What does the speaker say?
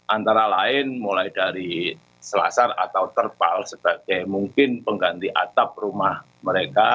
antara lain mulai dari selasar atau terpal sebagai mungkin pengganti atap rumah mereka